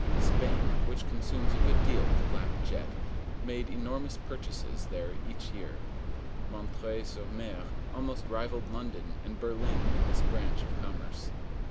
Spain, which consumes a good deal of black jet, made enormous purchases there each year. M. sur M. almost rivalled London and Berlin in this branch of commerce.